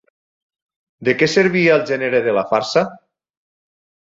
De què servia el gènere de la farsa?